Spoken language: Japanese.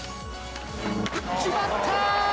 決まった！